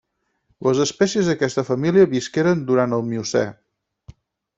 Les espècies d'aquesta família visqueren durant el Miocè.